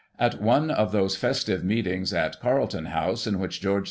At one of those festive meetings at Carlton House, in which George IV.